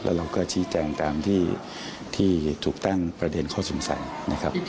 เราก็ชี้แจงตามที่ถูกตั้งประเด็นข้อสงสัยนะครับ